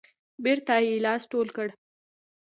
بیرته یې لاس ټول کړ.